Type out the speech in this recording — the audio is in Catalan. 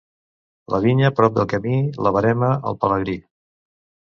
La vinya prop de camí, la verema al pelegrí.